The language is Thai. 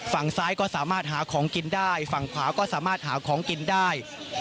ฝั่งซ้ายก็สามารถหาของกินได้ฝั่งขวาก็สามารถหาของกินได้